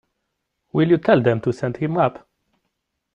Will you tell them to send him up?